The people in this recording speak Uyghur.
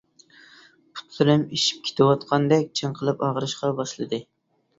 پۇتلىرىم ئىششىپ كېتىۋاتقاندەك چىڭقىلىپ ئاغرىشقا باشلىدى.